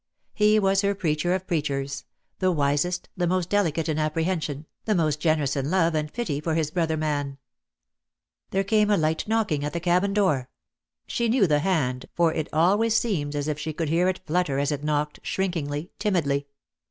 He was her preacher of preachers, the wisest, the most delicate in apprehension, DEAD LOVE HAS CHAINS. 3,3 the most generous in love and pity for his brother man. .;,.'. There came a hght knocking at the cabin door. She knew the hand, for it ahvays seemed as if she could hear it flutter as it knocked, shrinkingly, timidly.